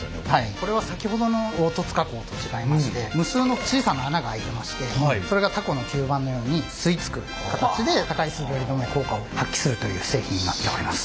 これは先ほどの凹凸加工と違いまして無数の小さな穴が開いてましてそれがタコの吸盤のように吸い付く形で高いすべり止め効果を発揮するという製品になっております。